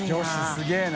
すげぇな。